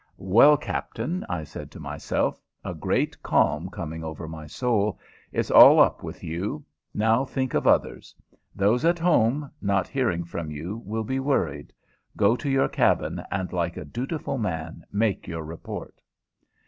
"Well, captain," I said to myself, a great calm coming over my soul, "it's all up with you; now think of others. Those at home, not hearing from you, will be worried. Go to your cabin, and, like a dutiful man, make your report."